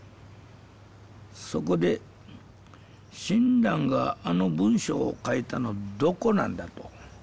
そこで親鸞があの文章を書いたのはどこなんだと。